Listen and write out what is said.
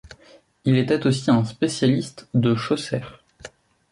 Il était aussi un spécialiste de Chaucer.